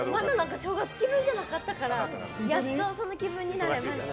正月気分じゃなかったからやっと、その気分になりました。